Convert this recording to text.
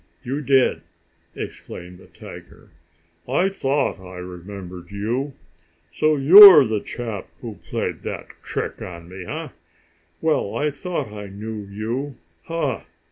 You did!" exclaimed the tiger. "I thought I remembered you. So you're the chap who played that trick on me, eh? Well, I thought I knew you. Ha!